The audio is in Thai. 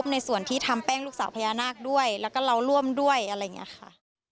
ในส่วนที่ทำแป้งลูกสาวพญานาคด้วยแล้วก็เราร่วมด้วยอะไรอย่างนี้ค่ะ